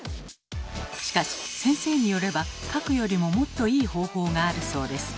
しかし先生によれば「かく」よりももっといい方法があるそうです。